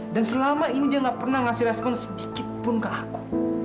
dan selama ini dia gak pernah ngasih respon sedikit pun ke aku